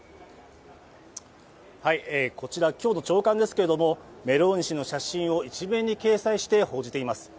こちら、今日の朝刊ですがメローニ氏の写真を一面に掲載して報じています。